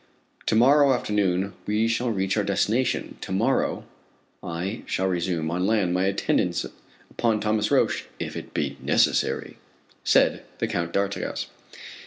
To morrow afternoon we shall reach our destination. To morrow, I shall resume, on land, my attendance upon Thomas Roch, "if it be necessary," said the Count d'Artigas.